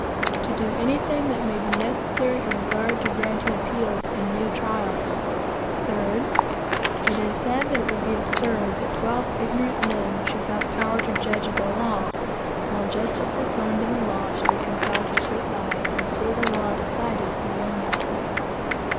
To do anything that may be necessary in regard, to granting appeals and new trials. 3. It is said that it would be absurd that twelve ignorant men should have power to judge of the law, while justices learned in the law should be compelledto sit by and see the law decided erroneously.